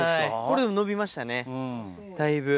これ伸びましたねだいぶ。